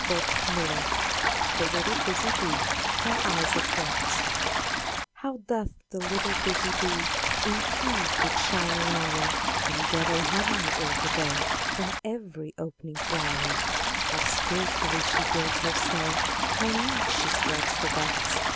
— Abridged THE LITTLE BUSY BEE Isaac Watts How doth the little busy bee Improve each shining hour, And gather honey all the day From every opening flow'r! How skilfully she builds her cell! How neat she spreads the wax!